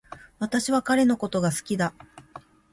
私は彼のことが好きだ